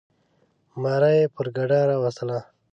ماره یي پر ګډا راوستل.